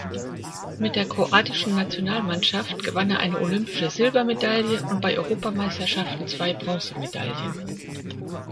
Mit der kroatischen Nationalmannschaft gewann er eine olympische Silbermedaille und bei Europameisterschaften zwei Bronzemedaillen.